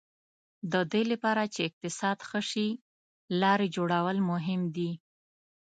د دې لپاره چې اقتصاد ښه شي لارې جوړول مهم دي.